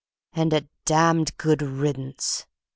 "And a damned good riddance!"